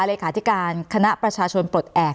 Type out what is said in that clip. เลขาธิการคณะประชาชนปลดแอบ